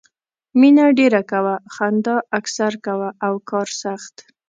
مینه ډېره کوه، خندا اکثر کوه او کار سخت.